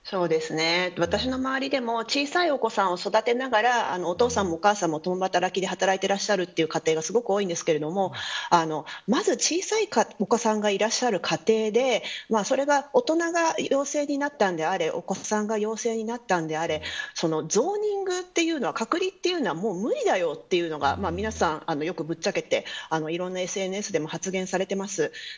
私の周りでも小さいお子さんを育てながらお父さんもお母さんも、共働きで働いている家庭がすごく多いんですがまず、小さいお子さんがいらっしゃる家庭でそれが、大人が陽性になったんであれ、お子さんが陽性になったのであれゾーニングというのは隔離というのはもう無理だというのが皆さん、よくぶっちゃけていろんなＳＮＳでも発言されています。